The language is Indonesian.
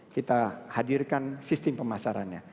kita hadirkan sistem pemasarannya